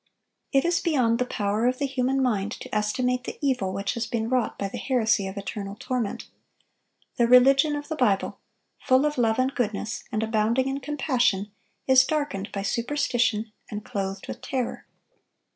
It is beyond the power of the human mind to estimate the evil which has been wrought by the heresy of eternal torment. The religion of the Bible, full of love and goodness, and abounding in compassion, is darkened by superstition and clothed with terror.